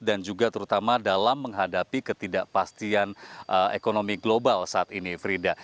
dan juga terutama dalam menghadapi ketidakpastian ekonomi global saat ini frida